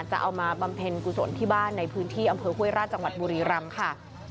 จะเอามาบำเพ็ญกุศลที่บ้านในพื้นที่อำเภอห้วยราชจังหวัดบุรีรำค่ะ